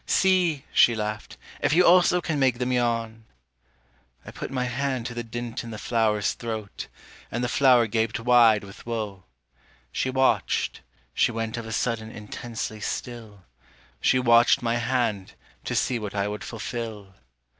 "See," she laughed, "if you also Can make them yawn." I put my hand to the dint In the flower's throat, and the flower gaped wide with woe. She watched, she went of a sudden intensely still, She watched my hand, to see what I would fulfil.